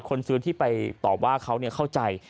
คนซื้อที่ไปตอบว่าเขาเข้าใจ